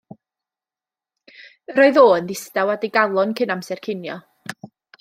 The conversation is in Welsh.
Yr oedd o yn ddistaw a digalon cyn amser cinio.